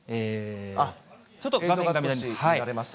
ちょっと画面が乱れました。